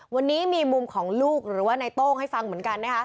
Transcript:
วันนี้มีมุมของลูกหรือว่าในโต้งให้ฟังเหมือนกันนะคะ